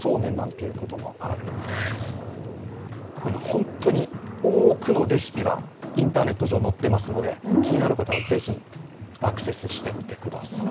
本当に多くのレシピがインターネット上に載っていますので気になる方はぜひアクセスしてみてください。